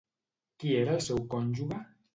Qui era el seu cònjuge?